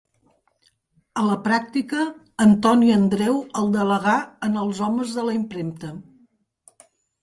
A la pràctica, Antoni Andreu el delegà en els homes de la impremta.